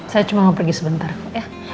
saya cuma mau pergi sebentar kok ya